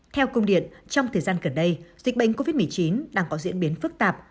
theo công điện trong thời gian gần đây dịch bệnh covid một mươi chín đang có diễn biến phức tạp